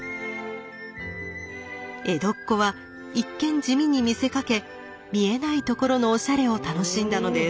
江戸っ子は一見地味に見せかけ見えないところのおしゃれを楽しんだのです。